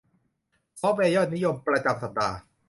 ซอฟต์แวร์ยอดนิยมประจำสัปดาห์